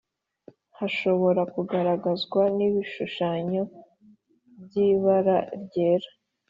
hashobora kugaragazwa n'ibishushanyo by'ibara ryera.